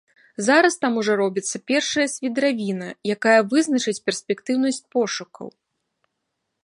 Зараз там ужо робіцца першая свідравіна, якая вызначыць перспектыўнасць пошукаў.